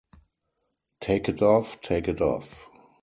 Take it off, take it off!